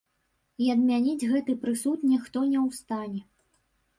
І адмяніць гэты прысуд ніхто не ў стане.